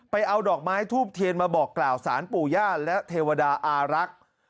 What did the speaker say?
เอาดอกไม้ทูบเทียนมาบอกกล่าวสารปู่ย่าและเทวดาอารักษ์